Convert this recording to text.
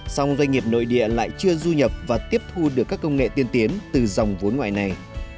song doanh nghiệp nội địa lại chưa du nhập và tiếp thu được các công nghệ tiên tiến từ dòng vốn ngoài này